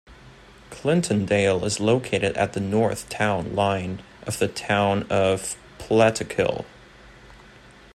Clintondale is located at the north town line of the Town of Plattekill.